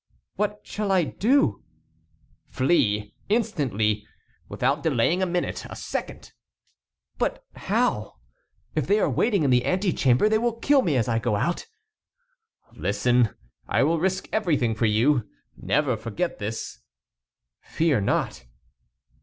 "What shall I do?" "Flee instantly, without delaying a minute, a second." "But how? If they are waiting in the antechamber they will kill me as I go out." "Listen! I will risk everything for you. Never forget this." "Fear not."